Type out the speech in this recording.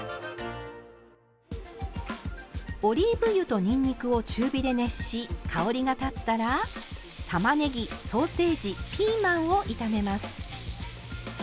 オリーブ油とにんにくを中火で熱し香りが立ったらたまねぎソーセージピーマンを炒めます。